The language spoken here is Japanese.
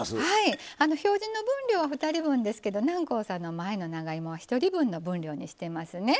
表示の分量は２人分ですけど南光さんの前の長芋は１人分の分量にしてますね。